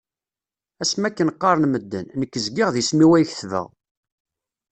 Asmi akken qqaren medden, nekk zgiɣ d isem-im ay kettbeɣ.